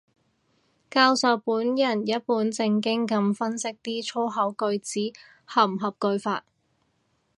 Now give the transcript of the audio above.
教授本人一本正經噉分析啲粗口句子合唔合句法